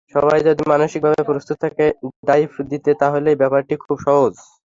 সবাই যদি মানসিকভাবে প্রস্তুত থাকে ডাইভ দিতে, তাহলেই ব্যাপারটি খুব সহজ।